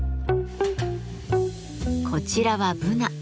こちらはブナ。